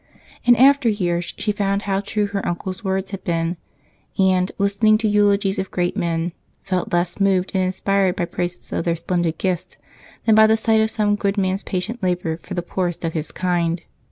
In after years she found how true her uncle's words had been and, listening to eulogies of great men, felt less moved and inspired by praises of their splendid gifts than by the sight of some good man's patient labor for the poorest of his kind.